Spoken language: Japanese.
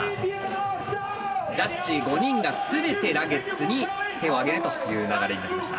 ジャッジ５人が全てラゲッズに手を挙げるという流れになりました。